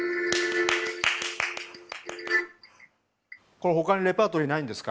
これほかにレパートリーないんですか？